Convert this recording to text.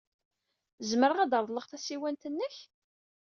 Zemreɣ ad reḍleɣ tasiwant-nnek?